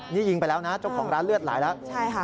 นี่ยิงไปแล้วนะเจ้าของร้านเลือดหลายแล้ว